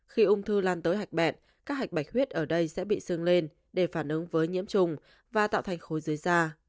khi ung thư lan tới hạch bẹn các hạch bạch huyết ở đây sẽ bị sưng lên để phản ứng với nhiễm trùng và tạo thành khối dưới da